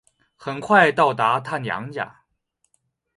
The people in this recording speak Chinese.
很快到达她娘家